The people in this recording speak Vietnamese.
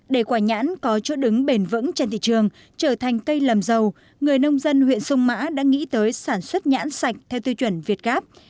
để quả nhãn có chỗ đứng bền vững trên thị trường trở thành cây làm giàu người nông dân huyện sông mã đã nghĩ tới sản xuất nhãn sạch theo tiêu chuẩn việt gáp